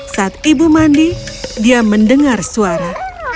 saat ibu mandi dia mendengar suara